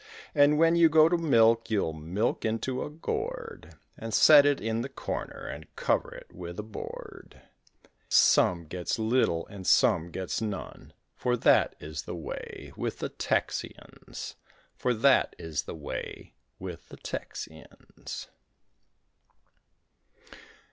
And when you go to milk you'll milk into a gourd; And set it in the corner and cover it with a board; Some gets little and some gets none, For that is the way with the Texians, For that is the way with the Texians.